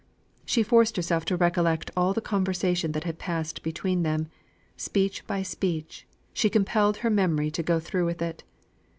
She forced herself to recollect all the conversation that had passed between them; speech by speech, she compelled her memory to go through with it.